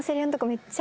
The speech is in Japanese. めっちゃ。